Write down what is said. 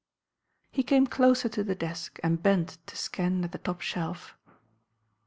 He came closer to the desk and bent to scan at the top shelf.